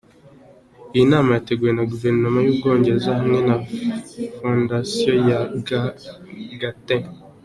Iyi nama yateguwe na Guverinoma y’u Bwongereza hamwe na Fondtaion ya “Gates”.